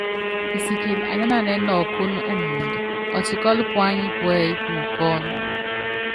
Kisikili anyánanɛ́ɛ́ nɔkúnɔ́ umɔɔd, ɔtikɔ́lɔ́ puányi púɛ́yí pukɔ́n.